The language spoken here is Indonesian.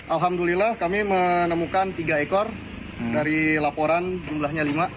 alhamdulillah kami menemukan tiga ekor dari laporan jumlahnya lima